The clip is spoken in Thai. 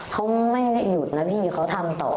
เขาไม่ได้หยุดนะพี่เขาทำต่อ